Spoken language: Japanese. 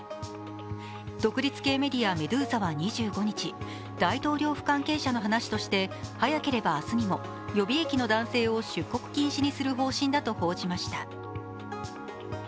独立系メディア、メドゥーザは２５日大統領府関係者の話として早ければ明日にも、予備役の男性を出国禁止にする方針だと報じました。